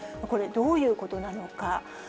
これ、どういうことなのか。